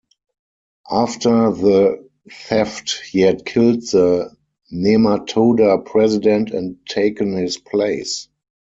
After the theft, he had killed the Nematoda president and taken his place.